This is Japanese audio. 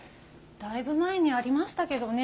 だいぶ前にありましたけどね。